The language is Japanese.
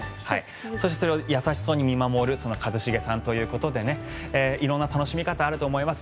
そして、それを優しそうに見守る一茂さんということで色んな楽しみ方があると思います。